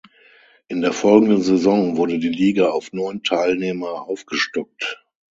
In der folgenden Saison wurde die Liga auf neun Teilnehmer aufgestockt.